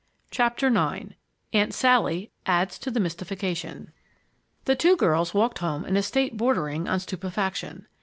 CHAPTER IX AUNT SALLY ADDS TO THE MYSTIFICATION THE two girls walked home in a state bordering on stupefaction.